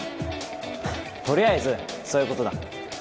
とりあえずそういう事だ。